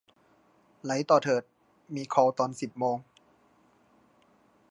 ไหลต่อเถิด มีคอลตอนสิบโมง